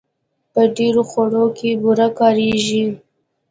په ډېرو خوړو کې بوره کارېږي.